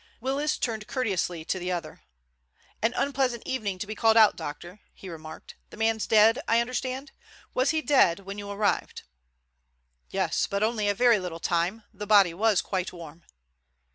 Willis turned courteously to the other. "An unpleasant evening to be called out, doctor," he remarked. "The man's dead, I understand? Was he dead when you arrived?" "Yes, but only a very little time. The body was quite warm."